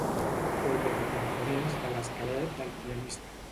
Colla de components de l'esquelet del pianista.